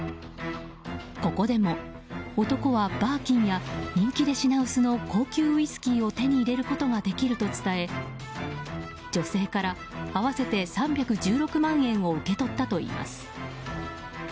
ここでも、男はバーキンや人気で品薄の高級ウイスキーを手に入れることができると伝え女性から合わせて３１６万円を受け取ったといいます。